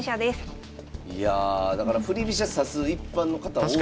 いやだから振り飛車指す一般の方多いですけどね。